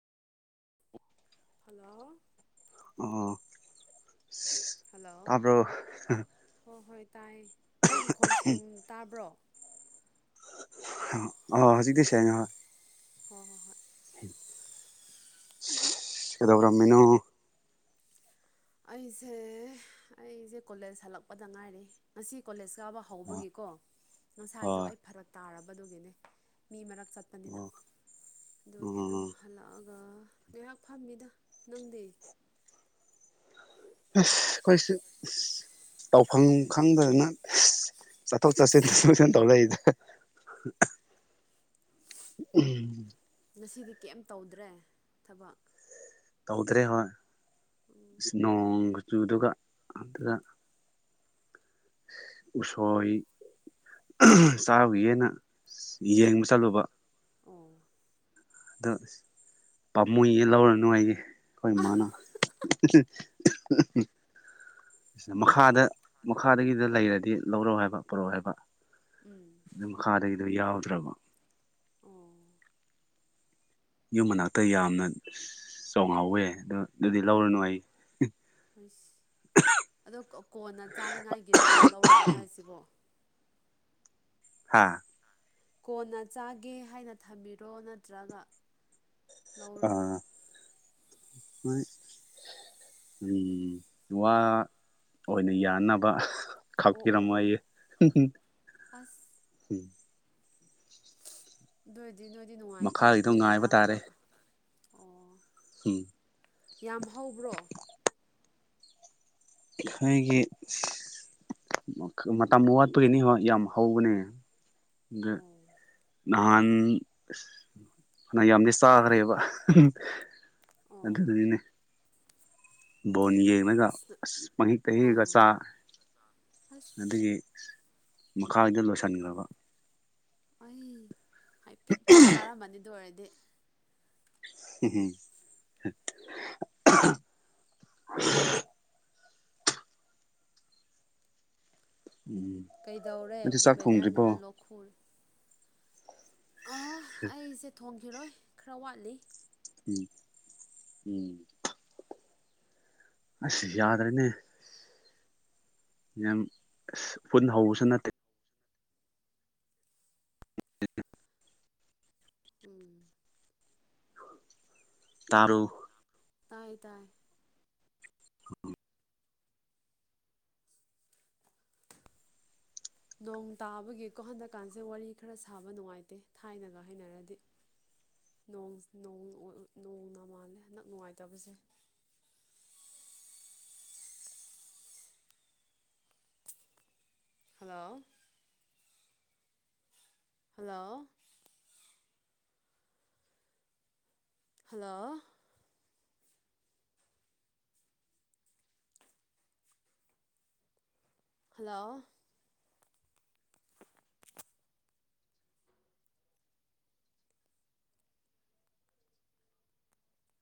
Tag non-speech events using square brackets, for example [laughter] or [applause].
hello ꯑꯣ hello ꯇꯥꯕ꯭ꯔꯣ ꯍꯣꯏ ꯍꯣꯏ ꯇꯥꯏ ꯑꯩꯒꯤ ꯈꯣꯟ ꯁꯦꯡ ꯇꯥꯕ꯭ꯔꯣ ꯑꯣ ꯍꯧꯖꯤꯛꯇꯤ ꯁꯦꯡꯉꯦ ꯍꯣꯏ ꯍꯣꯏ ꯍꯣꯏ ꯍꯣꯏ ꯀꯗꯧꯔꯝꯃꯤꯅꯣ ꯑꯩꯁꯦ ꯑꯩꯁꯦ ꯀꯣꯂꯦꯖ ꯍꯜꯂꯛꯄꯗ ꯉꯥꯏꯔꯤ ꯉꯁꯤ ꯀꯣꯂꯦꯖ ꯀꯥꯕ ꯍꯧꯕꯒꯤꯀꯣ ꯉꯁꯥꯏꯗꯣ ꯑꯣ ꯑꯩ ꯐꯔꯛ ꯇꯥꯔꯕꯗꯨꯒꯤꯅꯦ ꯃꯤ ꯃꯔꯛ ꯆꯠꯄꯅꯤꯅ ꯑꯗꯨꯒꯤ ꯑꯗꯨꯝ ꯎꯝ ꯍꯜꯂꯛꯑꯒ ꯉꯥꯏꯍꯥꯛ ꯐꯝꯃꯤꯗ ꯅꯪꯗꯤ ꯑꯈꯣꯏꯁꯨ ꯇꯧꯐꯝ ꯈꯪꯗꯗꯅ ꯆꯠꯊꯣꯛ ꯆꯠꯁꯤꯟ ꯆꯠꯊꯣꯛ ꯆꯠꯁꯤꯟ ꯇꯧꯂꯩꯗ ꯎꯝ ꯉꯁꯤꯗꯤ ꯀꯔꯤꯝ ꯇꯧꯗ꯭ꯔꯦ ꯊꯕꯛ ꯇꯧꯗꯔꯦ ꯍꯣꯏ ꯎꯝ ꯅꯣꯡ ꯆꯨꯗꯨꯒ ꯑꯗꯨꯗ ꯎꯁꯣꯏ ꯆꯥꯕꯒꯤꯌꯦꯅ ꯌꯦꯡꯕ ꯆꯠꯂꯨꯕ ꯑꯣ ꯑꯗꯣ ꯄꯥꯝꯃꯨꯌꯦ ꯂꯧꯔꯅꯨ ꯍꯥꯏꯌꯦ ꯑꯩꯈꯣꯏ ꯏꯃꯥꯅ ꯃꯈꯥꯗ ꯃꯈꯥꯗꯒꯤꯗ ꯂꯩꯔꯗꯤ ꯂꯧꯔꯛꯑꯣ ꯍꯥꯏꯕ ꯄꯔꯛꯑꯣ ꯍꯥꯏꯕ ꯎꯝ ꯑꯗꯨꯝ ꯃꯈꯥꯗꯒꯤꯗꯣ ꯌꯥꯎꯗ꯭ꯔꯕ ꯑꯣ ꯌꯨꯝ ꯃꯅꯥꯛꯇ ꯌꯥꯝꯅ ꯆꯣꯡꯉꯧꯋꯦ ꯑꯗꯣ ꯑꯗꯨꯗꯤ ꯂꯧꯔꯨꯅꯨ ꯍꯥꯏꯌꯦ ꯍꯣꯏꯁ ꯑꯗꯣ ꯀꯣꯟꯅ ꯆꯥꯅꯤꯡꯉꯥꯏꯒꯤꯔꯣ ꯂꯧꯔꯅꯨ ꯍꯥꯏꯁꯤꯕꯣ ꯍꯥꯥ ꯀꯣꯟꯅ ꯆꯥꯒꯦ ꯍꯥꯏꯅ ꯊꯝꯃꯤꯔꯣ ꯅꯠꯇ꯭ꯔꯒ ꯂꯧꯔ ꯑꯥ ꯋꯥ ꯑꯣꯏꯅ ꯌꯥꯟꯅꯕ ꯑꯣ ꯑꯣ ꯈꯥꯛꯄꯤꯔꯝꯃꯣ ꯑꯣ ꯍꯥꯏꯌꯦ ꯑꯗꯣꯏꯗꯤ ꯅꯣꯏꯗꯤ ꯅꯨꯡꯉꯥꯏꯀꯣ ꯃꯈꯥꯒꯤꯗꯣ ꯅꯣꯏ ꯉꯥꯏꯕ ꯃꯅꯥꯛꯇ ꯇꯥꯔꯦ ꯑꯣ ꯎꯝ ꯌꯥꯝ ꯍꯧꯕ꯭ꯔꯣ ꯑꯩꯈꯣꯏꯒꯤ ꯃꯇꯝ ꯋꯥꯠ ꯄꯔꯤꯅꯤ ꯍꯣꯏ ꯌꯥꯝ ꯍꯧꯕꯅꯦ ꯑꯗ ꯑꯣ ꯅꯍꯟ ꯑꯁ ꯐꯅ ꯌꯥꯝꯗꯤ ꯆꯥꯈ꯭ꯔꯦꯕ ꯑꯣ ꯑꯗꯨꯗꯨꯒꯤꯅꯦ ꯕꯣꯟ ꯌꯦꯡꯉꯒ ꯑꯁ ꯄꯪꯍꯦꯛꯇ ꯍꯦꯛꯂꯒ ꯑꯥ ꯆꯥ ꯑꯁ ꯑꯗꯨꯒꯤ ꯃꯈꯥꯒꯤꯗꯣ ꯂꯣꯏꯁꯤꯟꯈ꯭ꯔꯕ ꯏꯃꯩ ꯍꯥꯏꯐꯦꯠꯇꯤ ꯆꯥꯔꯝꯃꯅꯤ ꯑꯗꯨ ꯑꯣꯏꯔꯗꯤ [unintelligible] ꯎꯝ ꯀꯩꯗꯧꯔꯦ ꯅꯪꯗꯤ ꯆꯥꯛ ꯊꯣꯡꯗ꯭ꯔꯤꯕꯣ ꯋꯦꯗꯔꯅꯔ ꯂꯣꯛꯈꯨꯔ ꯑꯥ ꯑꯩꯁꯦ ꯊꯣꯡꯈꯤꯔꯣꯏ ꯈꯔ ꯋꯥꯠꯂꯤ ꯎꯝ ꯎꯝ ꯑꯁ ꯌꯥꯗ꯭ꯔꯦꯅꯦ ꯌꯥꯝ ꯐꯨꯟ ꯍꯧꯕꯁꯨ ꯅꯠꯇꯦ [unintelligible] ꯎꯝ ꯇꯕ꯭ꯔꫭ ꯇꯥꯕ꯭ꯔꯣ ꯇꯥꯏ ꯇꯥꯏ ꯅꯣꯡ ꯇꯥꯕꯒꯤꯀꯣ ꯍꯟꯗꯛꯀꯥꯟꯁꯦ ꯋꯥꯔꯤ ꯈꯔ ꯁꯥꯕ ꯅꯨꯡꯉꯥꯏꯇꯦ ꯊꯥꯏꯅꯒ ꯍꯥꯏꯅꯔꯗꯤ ꯅꯣꯡꯁ ꯅꯣꯡ ꯑꯣ-ꯑ ꯅꯣꯡꯅ ꯃꯥꯜꯂꯦ ꯅꯛ ꯅꯨꯡꯉꯥꯏꯇꯕꯁꯦ ꯍꯜꯂꯣ ꯍꯜꯂꯣ ꯍꯜꯂꯣ ꯍꯜꯂꯣ